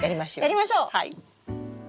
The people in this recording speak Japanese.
やりましょう！